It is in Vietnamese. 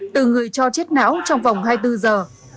từ người cho chết não trong vòng hai mươi bốn giờ